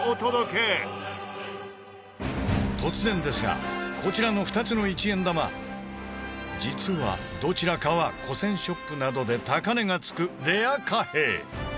突然ですがこちらの２つの１円玉実はどちらかは古銭ショップなどで高値がつくレア貨幣。